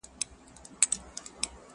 زه او شیخ یې را وتلي بس په تمه د کرم یو.